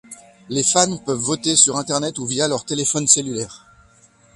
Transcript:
Les fans peuvent voter sur Internet ou via leurs téléphone cellulaires.